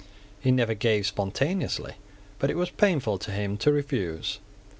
He never gave spontaneously; but it was painful to him to refuse.